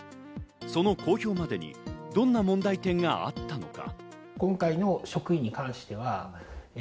その公表までにどんな問題点があったのか？